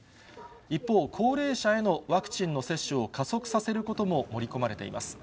一方、高齢者へのワクチンの接種を加速させることも盛り込まれています。